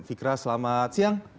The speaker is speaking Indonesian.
fikra selamat siang